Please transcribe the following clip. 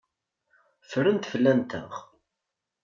Ffrent fell-anteɣ.